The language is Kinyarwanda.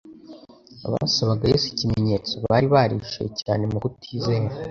Abasabaga Yesu ikimenyetso bari barishoye cyane mu kutizera